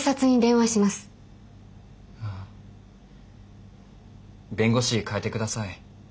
ああ弁護士変えてください。